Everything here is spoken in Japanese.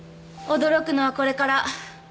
驚くのはこれから。